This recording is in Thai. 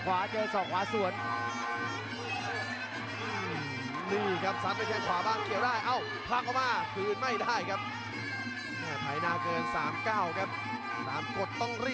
พยายามจะท้าด้วนชวนแรกเลยครับตะพาวทอง